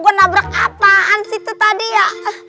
gue nabrak apaan sih itu tadi ya